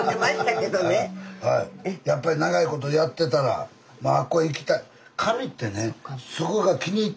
やっぱり長いことやってたらあっこ行きたい。